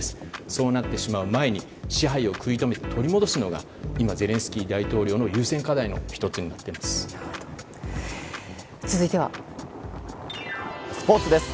そうなってしまう前に支配を食い止めて取り戻すことがゼレンスキー大統領の続いてはスポーツです。